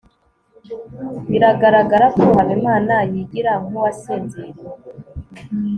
biragaragara ko habimana yigira nkuwasinziriye